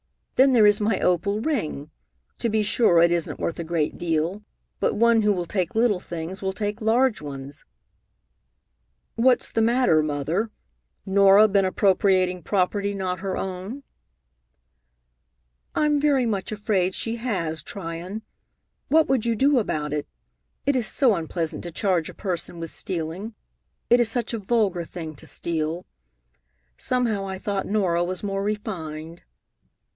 Then there is my opal ring. To be sure, it isn't worth a great deal, but one who will take little things will take large ones." "What's the matter, Mother? Norah been appropriating property not her own?" "I'm very much afraid she has, Tryon. What would you do about it? It is so unpleasant to charge a person with stealing. It is such a vulgar thing to steal. Somehow I thought Norah was more refined."